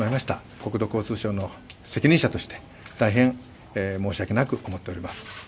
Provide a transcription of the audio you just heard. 国土交通省の責任者として、大変申し訳なく思っております。